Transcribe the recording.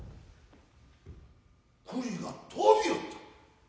栗が飛びおった。